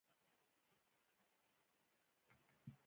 له نوې نړۍ سره آشنايي ده.